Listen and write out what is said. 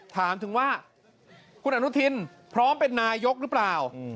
ถามถึงว่าคุณอนุทินพร้อมเป็นนายกหรือเปล่า